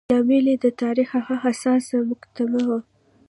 لامل یې د تاریخ هغه حساسه مقطعه وه.